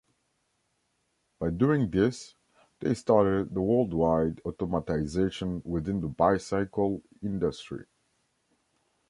By doing this they started the worldwide automatization within the bicycle industry.